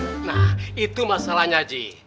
nah itu masalahnya ji